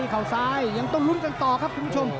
เขาซ้ายยังต้องลุ้นกันต่อครับคุณผู้ชม